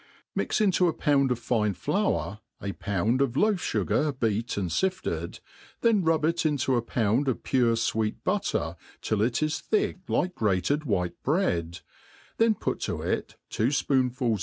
\ MIX into a pound of fine flour, a pound of loaf fngar be«t I and fifted, then rub it into 9l pound of pure fweet butter tiH it is thick like grated white bre^d, then put to it two fpoonfuls